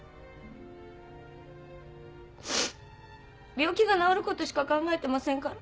病気が治ることしか考えてませんから。